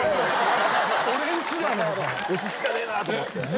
落ち着かねえな！と思って。